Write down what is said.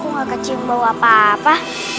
aku gak kecil bau apa apa